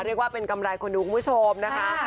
เรียกว่าเป็นกำไรคนดูคุณผู้ชมนะคะ